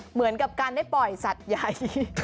เหมือนกับการได้ปล่อยสัตว์ใหญ่